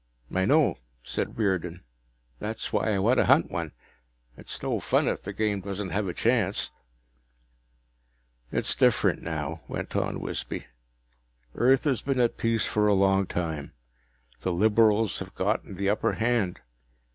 "I know," said Riordan. "That's why I want to hunt one. It's no fun if the game doesn't have a chance." "It's different now," went on Wisby. "Earth has been at peace for a long time. The liberals have gotten the upper hand.